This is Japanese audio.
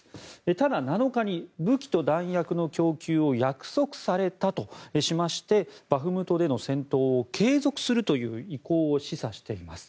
ただ、７日に武器と弾薬の供給を約束されたとしましてバフムトでの戦闘を継続するという意向を示唆しています。